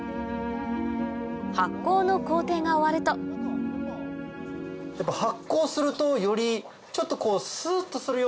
発酵の工程が終わるとやっぱ発酵するとよりちょっとこう。